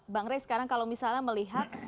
bang rey sekarang kalau misalnya melihat